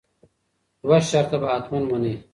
دوه شرطه به حتمآ منې